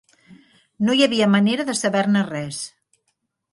No hi havia manera de saber-ne res